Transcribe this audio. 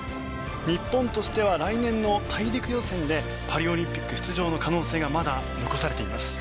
日本としては来年の大陸予選でパリオリンピック出場の可能性がまだ残されています。